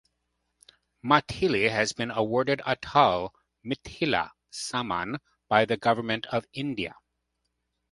Maithili has been awarded Atal Mithila Samman by the Government of India.